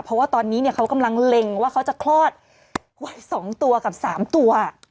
เพราะว่าตอนนี้เนี่ยเขากำลังเล็งว่าเขาจะคลอดไว้๒ตัวกับ๓ตัว